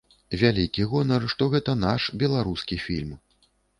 Вялікі гонар, што гэта наш, беларускі фільм.